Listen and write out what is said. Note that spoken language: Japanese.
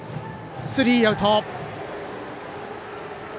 スリーアウト。